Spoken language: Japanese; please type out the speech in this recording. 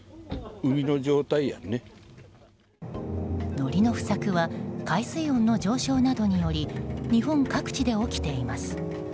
のりの不作は海水温の上昇などにより日本各地で起きています。